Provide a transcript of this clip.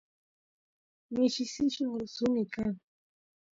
mishi sillun suni kan